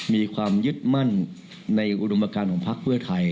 มีความยึดมั่นในอุดมการของพักเพื่อไทย